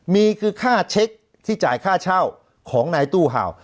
มีคือค่าเช็คที่จ่ายค่าเช่าของนายตู้เห่า